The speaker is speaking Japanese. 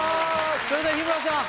それでは日村さん